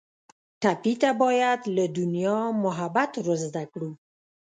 ټپي ته باید له دنیا محبت ور زده کړو.